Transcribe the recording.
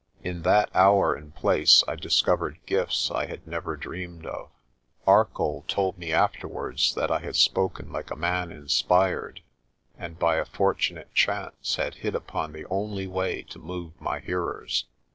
In that hour and place I discovered gifts I had never dreamed of. Arcoll told me afterwards that I had spoken like a man inspired, and by a fortunate chance had hit upon the only way to move my hearers.